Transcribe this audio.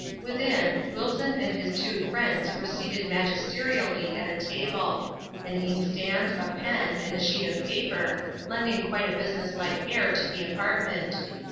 Within, Wilson and his two friends were seated magisterially at a table — an inkstand, a pen, and a sheet of paper, lending quite a business like air to the apartment.